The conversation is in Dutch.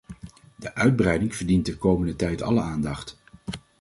De uitbreiding verdient de komende tijd alle aandacht.